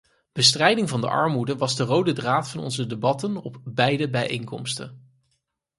Bestrijding van de armoede was de rode draad van onze debatten op beide bijeenkomsten.